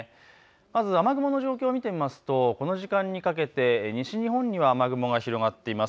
まず雨雲の状況を見てみますとこの時間にかけて西日本には雨雲が広がっています。